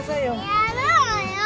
やろうよ。